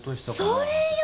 それよ！